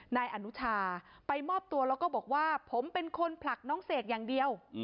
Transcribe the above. นายอนุชาไปมอบตัวแล้วก็บอกว่าผมเป็นคนผลักน้องเสกอย่างเดียว